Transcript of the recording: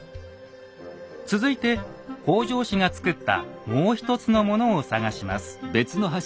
続いて北条氏がつくったもう一つのものを探します。